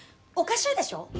おかしいでしょ？